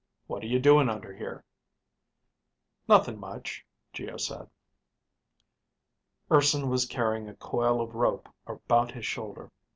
"What are you doing under here?" "Nothing much," Geo said. Urson was carrying a coil of rope about his shoulder.